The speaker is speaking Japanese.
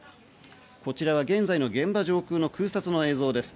こちらは現在の現場上空の映像です。